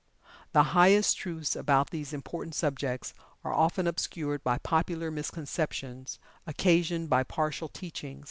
The highest truths about these important subjects are often obscured by popular misconceptions occasioned by partial teaching.